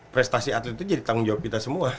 prestasi atlet itu jadi tanggung jawab kita semua